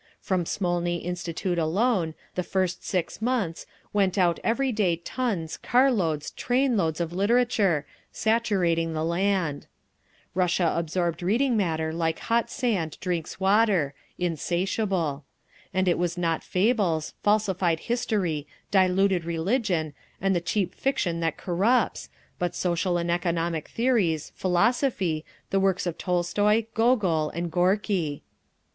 From Smolny Institute alone, the first six months, went out every day tons, car loads, train loads of literature, saturating the land. Russia absorbed reading matter like hot sand drinks water, insatiable. And it was not fables, falsified history, diluted religion, and the cheap fiction that corrupts—but social and economic theories, philosophy, the works of Tolstoy, Gogol, and Gorky….